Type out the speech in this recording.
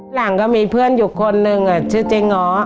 หลังก็มีเพื่อนอยู่คนหนึ่งชื่อเจ๊ง้อ